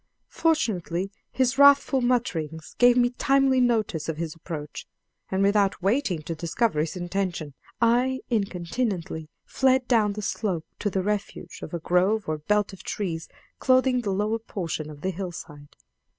Fortunately his wrathful mutterings gave me timely notice of his approach, and without waiting to discover his intentions, I incontinently fled down the slope to the refuge of a grove or belt of trees clothing the lower portion of the hillside.